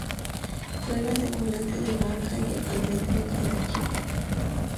Juega de volante de marca y actualmente no tiene equipo.